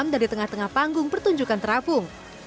dari tengah tengah panggung pertunjukan terapung